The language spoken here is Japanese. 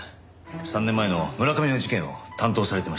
３年前の村上の事件を担当されてました。